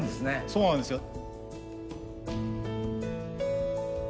そうなんですよ。